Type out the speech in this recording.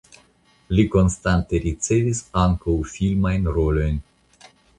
Li konstante ricevis ankaŭ filmajn rolojn.